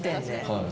はい。